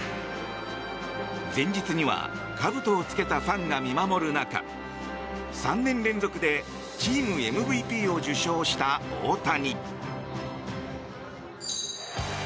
前日にはかぶとをつけたファンが見守る中３年連続でチームＭＶＰを受賞した大谷。